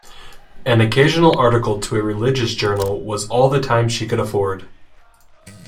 An occasional article to a religious journal was all the time she could afford.